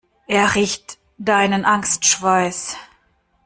Er riecht deinen Angstschweiß.